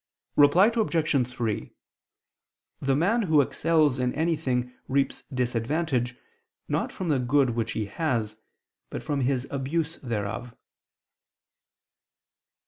Reply Obj. 3: The man who excels in anything reaps disadvantage, not from the good which he has, but from his abuse thereof.